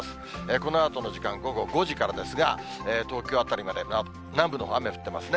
このあとの時間、午後５時からですが、東京辺りまで南部のほう、雨降ってますね。